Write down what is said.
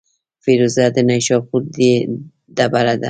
فیروزه د نیشاپور ډبره ده.